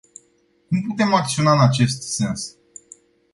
Cum putem acționa în acest sens?